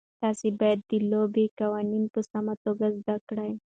تاسي باید د لوبې قوانین په سمه توګه زده کړئ.